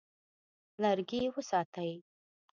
لرګي وساتئ.